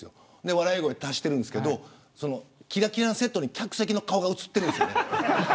笑い声足してるんですけどきらきらのセットに客席の顔が映ってるんです。